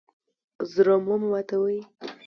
زړه مه ماتوئ